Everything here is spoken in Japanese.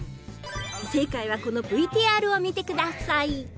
正解はこのＶＴＲを見てください。